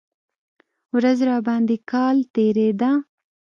ورځ راباندې کال تېرېده.